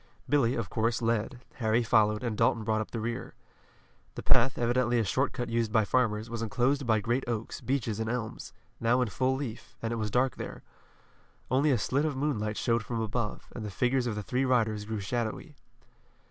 Billy, of course, led, Harry followed, and Dalton brought up the rear. The path, evidently a short cut used by farmers, was enclosed by great oaks, beeches and elms, now in full leaf, and it was dark there. Only a slit of moonlight showed from above, and the figures of the three riders grew shadowy.